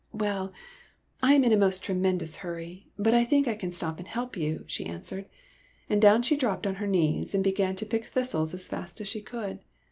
'' Well, I am in a most tremendous hurry, but I think I can stop and help you," she an swered ; and down she dropped on her knees and began to pick thistles as fast as she could.